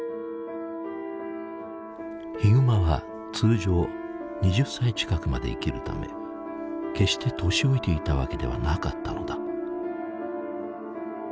ヒグマは通常２０歳近くまで生きるため決して年老いていたわけではなかったのだ。